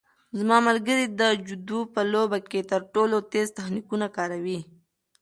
زما ملګری د جودو په لوبه کې تر ټولو تېز تخنیکونه کاروي.